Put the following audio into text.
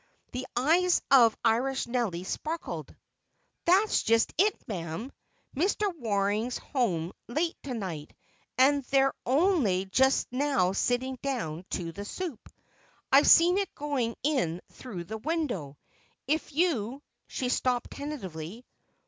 The eyes of Irish Nelly sparkled. "That's just it, ma'am. Mr. Waring's home late to night, and they're only just now sitting down to the soup. I seen it going in through the window. If you—" she stopped tentatively.